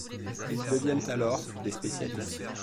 Ils deviennent alors des spécialistes.